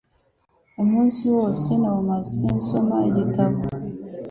Umunsi wose nawumaze nsoma igitabo.